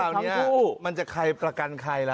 แล้วคราวนี้มันจะประกันใครล่ะ